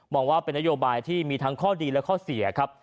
ว่าเป็นนโยบายที่มีทั้งข้อดีและข้อเสียครับ